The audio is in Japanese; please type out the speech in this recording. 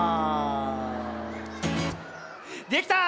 できた！